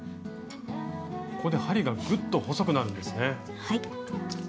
ここで針がぐっと細くなるんですね。